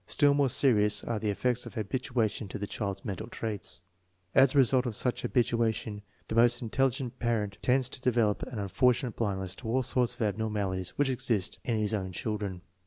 Still more serious are the effects of habituation to the child's mental traits. As a result of such habituation the most intelligent parent tends to de velop an unfortunate blindness to all sorts of abnormal ities which exist in his own children.